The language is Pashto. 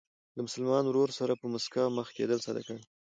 له مسلمان ورور سره په مسکا مخ کېدل صدقه ده.